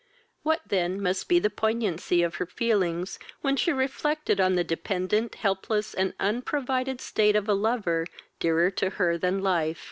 What then must be the poignancy of her feelings, when she reflected on the dependent, helpless, and unprovided state of a lover, dearer to her than life!